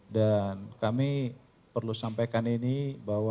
dan kami perlu sampaikan ini bahwa